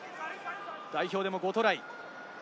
代表でも５トライ。